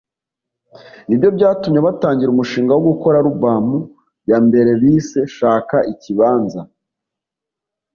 nibyo byatumye batangira umushinga wo gukora album ya mbere bise “Shaka Ikibanza”